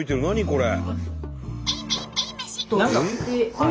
これ。